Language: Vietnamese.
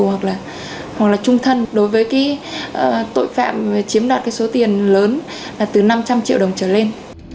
hoặc là trung thân đối với cái tội phạm chiếm đạt cái số tiền lớn là từ năm trăm linh triệu đồng trở lên